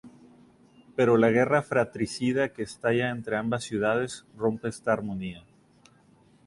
Pero la guerra fratricida que estalla entre ambas ciudades rompe esta armonía.